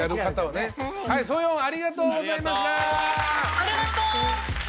ありがとう！